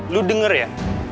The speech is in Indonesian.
lo denger ya